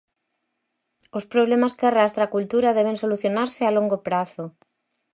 Os problemas que arrastra a cultura deben solucionarse a longo prazo.